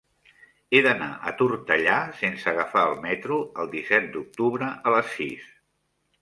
He d'anar a Tortellà sense agafar el metro el disset d'octubre a les sis.